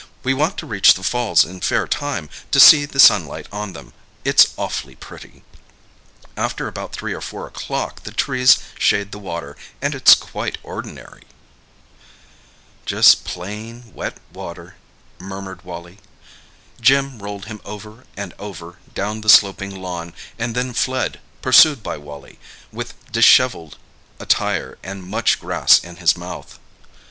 We want to reach the falls in fair time, to see the sunlight on them—it's awfully pretty. After about three or four o'clock the trees shade the water, and it's quite ordinary." "Just plain, wet water," murmured Wally. Jim rolled him over and over down the sloping lawn, and then fled, pursued by Wally with dishevelled attire and much grass in his mouth.